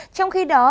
trong khi đó